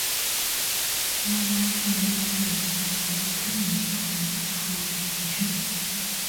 琪亚拉是意大利博科尼大学的法律系学生。